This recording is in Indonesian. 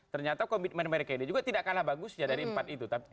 ternyata komitmen mereka ini juga tidak kalah bagusnya dari empat itu